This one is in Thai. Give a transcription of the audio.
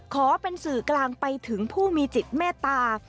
ขอเป็นสื่อกลางไปถึงผู้มีจิตเมตตา